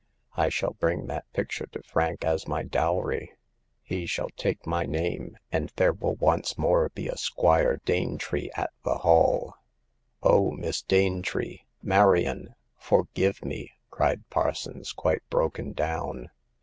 I shall bring that picture to Frank as my dowry. He shall take my name, and there will once more be a Squire Danetree at the Hall." " O Miss Danetree— Marion— forgive me !" cried Parsons, quite broken down.